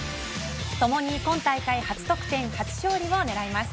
ともに今大会初得点初勝利をねらいます。